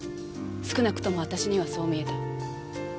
少なくとも私にはそう見えた。